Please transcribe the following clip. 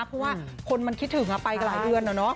เพราะว่าคนมันคิดถึงไปกันหลายเดือน